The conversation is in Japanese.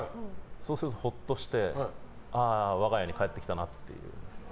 そうすると、ほっとして我が家に帰ってきたなっていう。